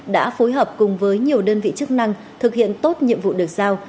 đã phối hợp cùng với nhiều đơn vị chức năng thực hiện tốt nhiệm vụ được giao